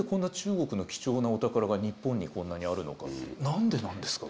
何でなんですか？